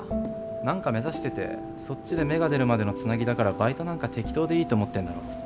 何か目指しててそっちで芽が出るまでのつなぎだからバイトなんか適当でいいと思ってるんだろ。